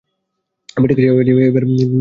এবার ঠিক আছে?